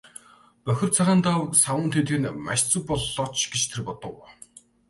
Бохир цагаан даавууг саванд хийдэг нь маш зөв боллоо ч гэж тэр бодов.